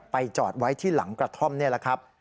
จอดไว้ที่หลังกระท่อมนี่แหละครับ